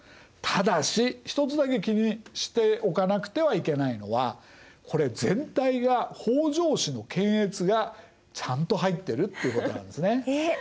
ただし一つだけ気にしておかなくてはいけないのはこれ全体が北条氏の検閲がちゃんと入ってるということなんですね。えっ？